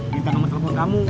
gitu sama telepon kamu